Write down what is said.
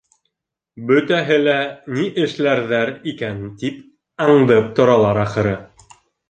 Бөтәһе лә, ни эшләрҙәр икән, тип аңдып торалар, ахыры.